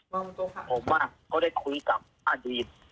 ผมอ่ะก็ได้คุยกับ